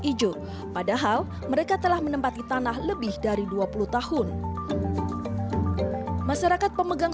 hijau padahal mereka telah menempati tanah lebih dari dua puluh tahun masyarakat pemegang